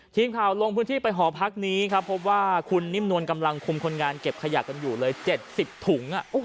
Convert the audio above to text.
ทีมข่าวลงพื้นที่ไปหอพักนี้ครับพบว่าคุณนิ่มนวลกำลังคุมคนงานเก็บขยะกันอยู่เลย๗๐ถุง